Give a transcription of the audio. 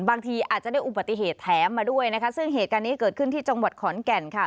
บางทีอาจจะได้อุบัติเหตุแถมมาด้วยนะคะซึ่งเหตุการณ์นี้เกิดขึ้นที่จังหวัดขอนแก่นค่ะ